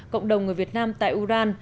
cộng đồng người việt nam tại uran